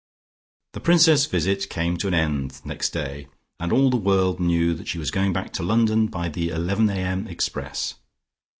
The Princess's visit came to an end next day, and all the world knew that she was going back to London by the 11.00 a.m. express.